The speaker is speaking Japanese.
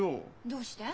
どうして？